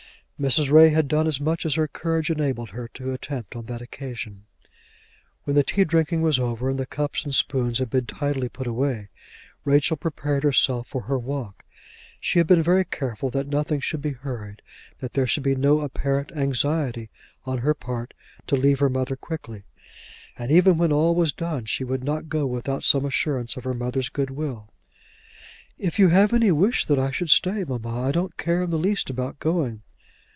Mrs. Ray had done as much as her courage enabled her to attempt on that occasion. When the tea drinking was over, and the cups and spoons had been tidily put away, Rachel prepared herself for her walk. She had been very careful that nothing should be hurried, that there should be no apparent anxiety on her part to leave her mother quickly. And even when all was done, she would not go without some assurance of her mother's goodwill. "If you have any wish that I should stay, mamma, I don't care in the least about going."